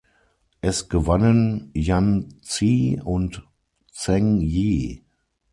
Es gewannen Yan Zi und Zheng Jie.